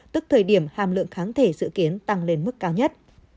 tức thời điểm hàm lượng kháng thể dự kiến tăng lên mức cao nhất